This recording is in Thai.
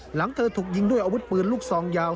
หลังเธอถูกยิงด้วยอาวุธปืนลูกซองยาว